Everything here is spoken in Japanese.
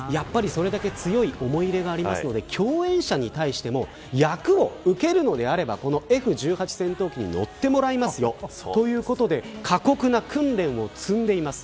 それだけ強い思い入れがあるので共演者に対しても役を受けるのであればこのＦ‐１８戦闘機に乗ってもらいますよということで過酷な訓練を積んでいます。